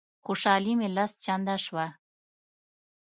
خوشالي مي لس چنده شوه.